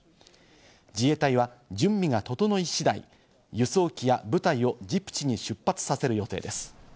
自衛隊は準備が整い次第、輸送機や部隊をジブチに出発させる予定です。